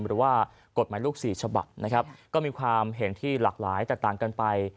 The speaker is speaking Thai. หรือว่ากฎหมายลูกสี่ฉบับนะครับก็มีความเห็นที่หลากหลายแตกต่างกันไป